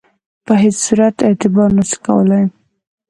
په هیڅ صورت اعتبار نه سو کولای.